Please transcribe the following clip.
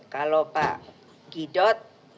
kalau pak gidot